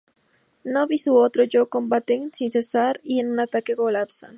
Noob y su otro yo combaten sin cesar y en un ataque, colapsan.